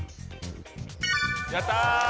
やったー